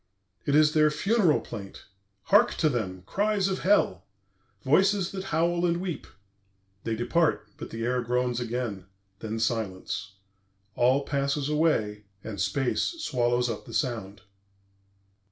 "It is their funeral plaint. Hark to them! Cries of Hell! Voices that howl and weep! "They depart, ... but the air groans again. Then silence. "All passes away, and space swallows up the sound."